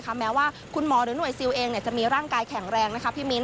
แม้ว่าคุณหมอหรือหน่วยซิลเองจะมีร่างกายแข็งแรงนะคะพี่มิ้น